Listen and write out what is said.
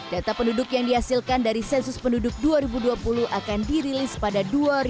data penduduk yang dihasilkan dari sensus penduduk dua ribu dua puluh akan dirilis pada dua ribu dua puluh